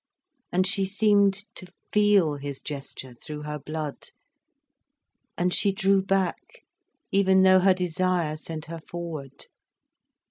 And she seemed to feel his gesture through her blood, and she drew back, even though her desire sent her forward.